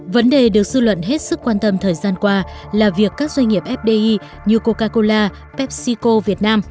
vấn đề được sư luận hết sức quan tâm thời gian qua là việc các doanh nghiệp fdi như coca cola pepsico việt nam